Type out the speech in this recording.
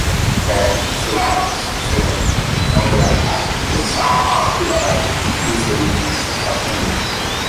pó, solventes, solvente, não voláteis, prensado, filtrado, glicerina, topicamente